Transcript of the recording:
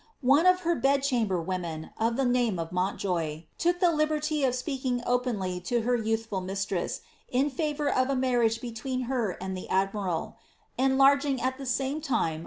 One of her bedchamber women, of the name of Mountjoye, took the liberty of speaking openly to her youthful mistress in favour of a marriage between her and the admiral, enlarging at the same time 'Lcti'e Elizabeth.